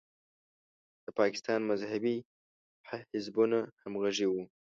د پاکستان مذهبي حزبونه همغږي وو.